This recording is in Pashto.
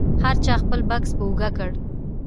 هر چا خپل بکس په اوږه کړ.